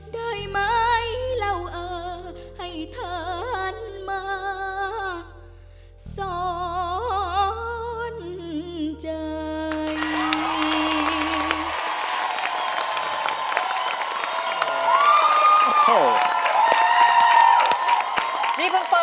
ได้ไหมเราเอ่อให้ทานมา